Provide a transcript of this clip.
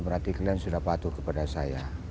berarti kalian sudah patuh kepada saya